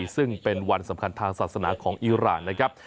สำคัญทางศาสนาของอีรานนะครับ